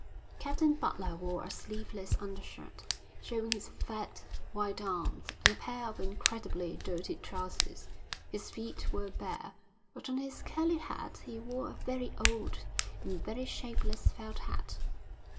Captain Butler wore a sleeveless under shirt, showing his fat white arms, and a pair of incredibly dirty trousers. His feet were bare, but on his curly head he wore a very old, a very shapeless felt hat.